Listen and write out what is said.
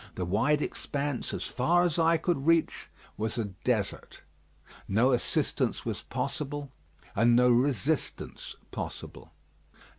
The wide expanse, as far as eye could reach, was a desert. No assistance was possible, and no resistance possible.